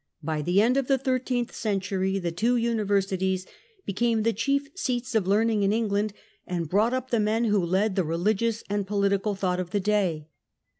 By the end of the thirteenth century the two universities became the chief seats of learning in England, and brought up the men who led the religious and political thought of the day.